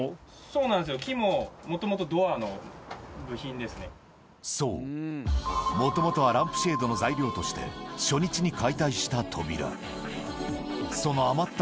そうなんです、木も、もともそう、もともとはランプシェードの材料として、初日に解体した扉。